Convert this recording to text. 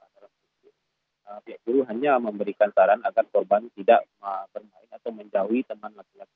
pihak guru hanya memberikan saran agar korban tidak bermain atau menjauhi teman laki laki